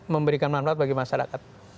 memberikan manfaat bagi masyarakat